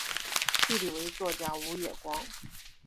弟弟为作家武野光。